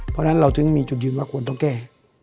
เพราะฉะนั้นเราถึงมีจุดอยู่กับความต้องแก้